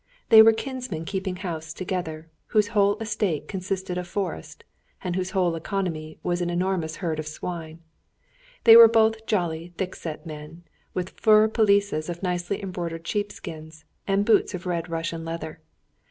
They were kinsmen keeping house together, whose whole estate consisted of forest, and whose whole economy was an enormous herd of swine. They were both jolly thick set men, with fur pelisses of nicely embroidered sheepskins, and boots of red Russian leather.